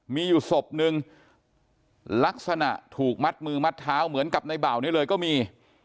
มีอยู่ศพนึงลักษณะถูกมัดมือมัดเท้าเหมือนกับในเบานี้เลยก็มี